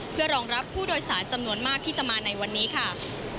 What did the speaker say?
เพื่อรองรับผู้โดยสารจำนวนมากที่จะมาในวันนี้ค่ะ